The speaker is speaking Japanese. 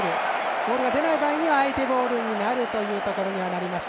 ボールが出ない場合には相手ボールになるというところ。